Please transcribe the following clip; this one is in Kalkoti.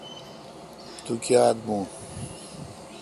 تو کیا تھہ بون۔